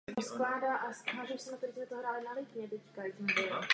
Existuje jedna politická záležitost, která je velmi důležitá.